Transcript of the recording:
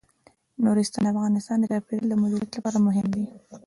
نورستان د افغانستان د چاپیریال د مدیریت لپاره مهم دي.